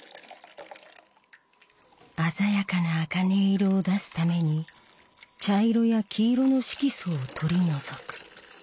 鮮やかな茜色を出すために茶色や黄色の色素を取り除く。